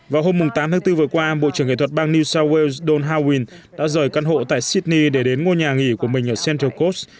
vào hôm tám tháng bốn vừa qua bộ trưởng nghệ thuật bang new south wales don howin đã rời căn hộ tại sydney để đến ngôi nhà nghỉ của mình ở central cos